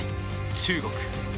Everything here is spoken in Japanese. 中国。